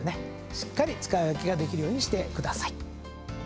しっかり使い分けができるようにしてください。